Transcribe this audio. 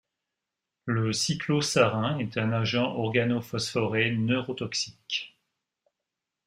Le cyclosarin est un agent organophosphoré neurotoxique.